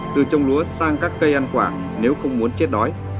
từ trồng lúa sang các cây ăn quả nếu không muốn chết đói